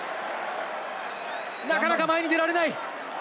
なかなか前に出られない。